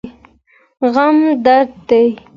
غم درد دی.